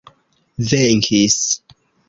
venkis